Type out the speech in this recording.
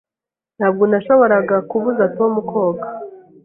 Ntabwo nashoboraga kubuza Tom koga.